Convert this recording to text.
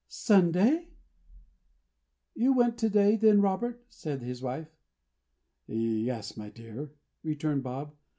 "Sunday! You went to day, then, Robert?" said his wife. "Yes, my dear," returned Bob.